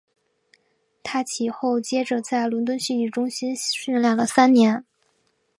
他其后接着在伦敦戏剧中心训练了三年。